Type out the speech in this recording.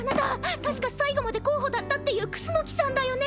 確か最後まで候補だったっていう楠さんだよね？